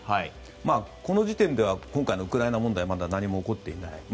この時点では今回のウクライナ問題はまだ何も起こっていない。